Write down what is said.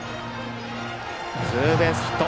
ツーベースヒット！